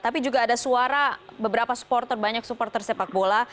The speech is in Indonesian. tapi juga ada suara beberapa supporter banyak supporter sepak bola